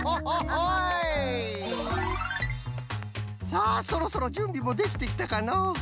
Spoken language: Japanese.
さあそろそろじゅんびもできてきたかのう。